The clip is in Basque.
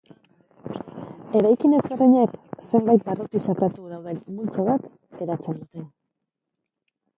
Eraikin ezberdinek, zenbait barruti sakratu dauden multzo bat eratzen dute.